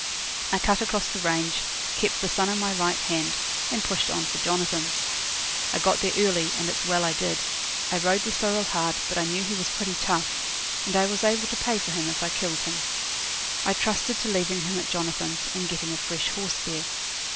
I cut across the range, kept the sun on my right hand, and pushed on for Jonathan's. I got there early, and it's well I did. I rode the sorrel hard, but I knew he was pretty tough, and I was able to pay for him if I killed him. I trusted to leaving him at Jonathan's, and getting a fresh horse there.